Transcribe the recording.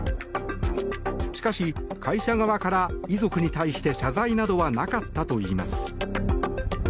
しかし、会社側から遺族に対して謝罪などはなかったといいます。